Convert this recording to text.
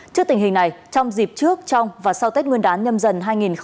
trước tình hình này trong dịp trước trong và sau tết nguyên đán nhâm dần hai nghìn hai mươi